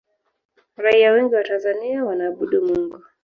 raia wengi wa tanzania wanaabudu mungu